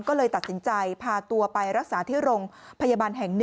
ก็เลยตัดสินใจพาตัวไปรักษาที่โรงพยาบาลแห่ง๑